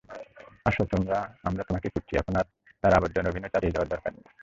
আসো আমরা তোমাকেই খুজছি, এখন আর তার আবর্জনা অভিনয় চালিয়ে যাওয়ার দরকার নেই।